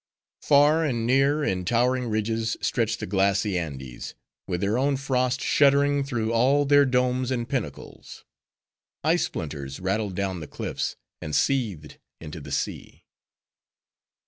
Far and near, in towering ridges, stretched the glassy Andes; with their own frost, shuddering through all their domes and pinnacles. Ice splinters rattled down the cliffs, and seethed into the sea.